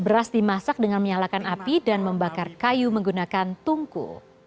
beras dimasak dengan menyalakan api dan membakar kayu menggunakan tungku